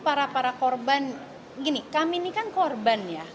para para korban gini kami ini kan korban ya